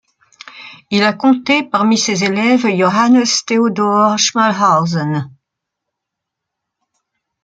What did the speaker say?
Il a compté parmi ses élèves Johannes Theodor Schmalhausen.